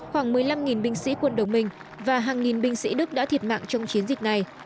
khoảng một mươi năm binh sĩ quân đồng minh và hàng nghìn binh sĩ đức đã thiệt mạng trong chiến dịch này